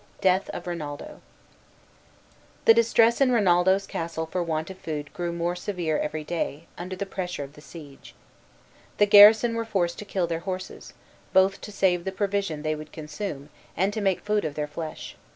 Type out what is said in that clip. DEATH OF RINALDO THE distress in Rinaldo's castle for want of food grew more severe every day, under the pressure of the siege. The garrison were forced to kill their horses, both to save the provision they would consume, and to make food of their flesh.